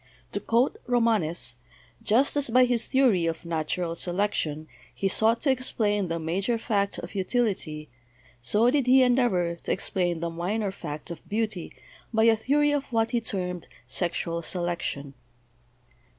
To quote Romanes: "Just as by his theory of natural selection he sought to explain the major fact of utility, so did he endeavor to explain the minor fact of beauty by a theory of what he termed Sexual Selection.